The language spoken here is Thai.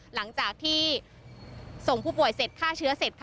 หลังจากที่ส่งผู้ป่วยเสร็จฆ่าเชื้อเสร็จค่ะ